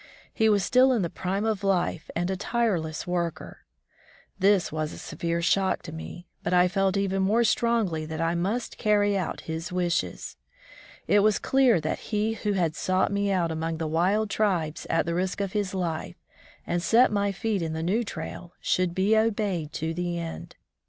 He was still in the prime of life and a tireless worker. This was a severe shock to me, but I felt even more strongly that I must carry out his wishes. It was clear that he who had sought me out among the wild tribes at the risk of his life, and set my feet in the new trail, should be obeyed to the end.